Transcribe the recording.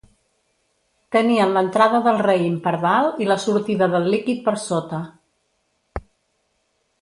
Tenien l'entrada del raïm per dalt i la sortida del líquid per sota.